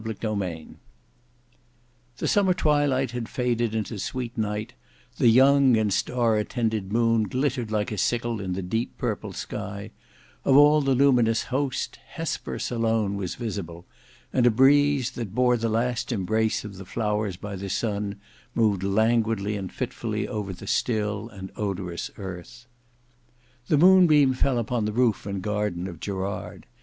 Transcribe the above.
Book 3 Chapter 5 The summer twilight had faded into sweet night; the young and star attended moon glittered like a sickle in the deep purple sky; of all the luminous host, Hesperus alone was visible; and a breeze, that bore the last embrace of the flowers by the sun, moved languidly and fitfully over the still and odorous earth. The moonbeam fell upon the roof and garden of Gerard.